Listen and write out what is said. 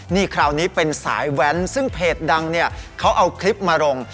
นี่คราวนี้เป็นสายแว้นซึ่งเพจดังเนี่ยเขาเอาคลิปมาลง